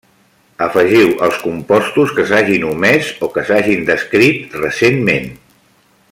Afegiu els compostos que s'hagin omès o que s'hagin descrit recentment.